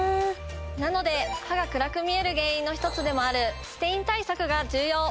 なので歯が暗く見える原因の１つでもあるステイン対策が重要！